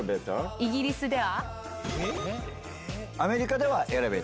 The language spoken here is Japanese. イギリスでは。